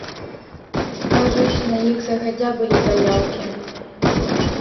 Кажуць, на іх загадзя былі заяўкі.